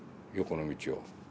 横の道を。